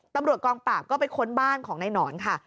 ตำรวจกองปราบก็ไปค้นบ้านของนายหนอนค่ะ